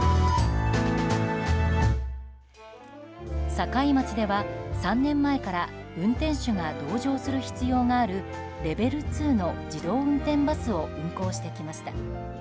境町では３年前から運転手が同乗する必要があるレベル２の自動運転バスを運行してきました。